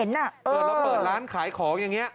เราเปิดร้านขายของอย่างนี้